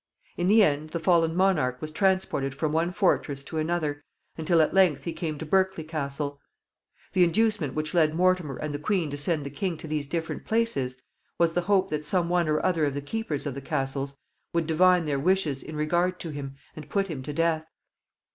In the end, the fallen monarch was transported from one fortress to another, until at length he came to Berkeley Castle. The inducement which led Mortimer and the queen to send the king to these different places was the hope that some one or other of the keepers of the castles would divine their wishes in regard to him, and put him to death.